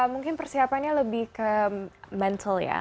mungkin persiapannya lebih ke mental ya